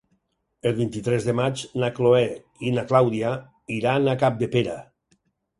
El vint-i-tres de maig na Chloé i na Clàudia iran a Capdepera.